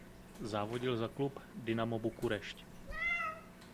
Závodil za klub Dinamo Bukurešť.